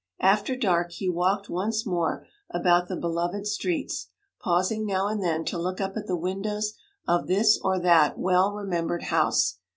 After dark he walked once more about the beloved streets, pausing now and then to look up at the windows of this or that well remembered house.